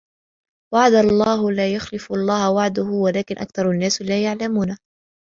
وَعدَ اللَّهِ لا يُخلِفُ اللَّهُ وَعدَهُ وَلكِنَّ أَكثَرَ النّاسِ لا يَعلَمونَ